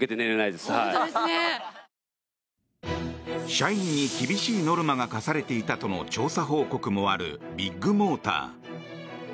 社員に厳しいノルマが課されていたとの調査報告もあるビッグモーター。